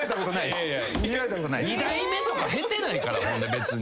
二代目とか経てないから別に。